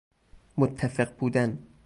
متفق بودن